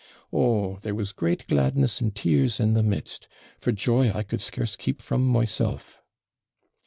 Oh, there was great gladness and tears in the midst; for joy I could scarce keep from myself.